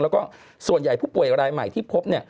แล้วก็ส่วนใหญ่ผู้ป่วยอะไรใหม่ที่พบ